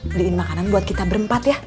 beliin makanan buat kita berempat ya